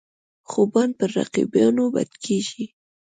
خوبان پر رقیبانو بد لګيږي.